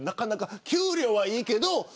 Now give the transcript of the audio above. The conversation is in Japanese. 給料はいいけど。